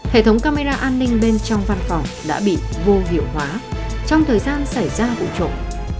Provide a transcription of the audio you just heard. hệ thống camera an ninh bên trong văn phòng đã bị vô hiệu hóa trong thời gian xảy ra vụ trộm